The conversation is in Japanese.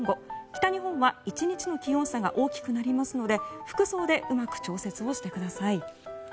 北日本は１日の気温差が大きくなりますので服装でうまく調節をしてください。